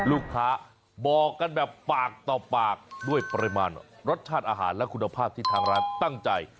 ลูกค้าบอกกันแบบปากต่อปากด้วยปริมาณรสชาติอาหารและคุณภาพที่ทางร้านตั้งใจ